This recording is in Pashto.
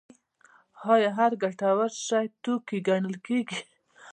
آیا هر ګټور شی توکی ګڼل کیږي؟